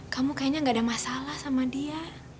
kamu kayaknya gak ada masalah sama dia